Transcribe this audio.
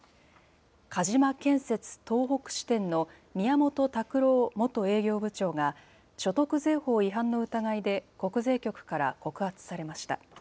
鹿島建設東北支店の宮本卓郎元営業部長が、所得税法違反の疑いで国税局から告発されました。